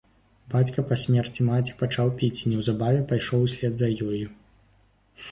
Бацька па смерці маці пачаў піць і неўзабаве пайшоў услед за ёю.